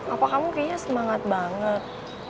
apa kamu kayaknya semangat banget